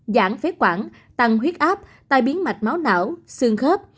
giảm phế quản tăng huyết áp tai biến mạch máu não xương khớp